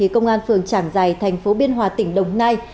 công an phường trảng giải tp biên hòa tỉnh đồng nai